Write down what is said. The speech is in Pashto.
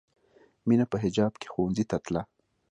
مینه په حجاب کې ښوونځي ته تله